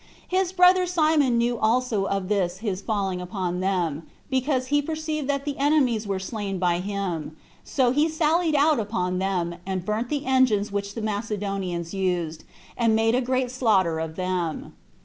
His brother Simon knew also of this his falling upon them, because he perceived that the enemies were slain by him; so he sallied out upon them, and burnt the engines which the Macedonians used, and made a great slaughter of them.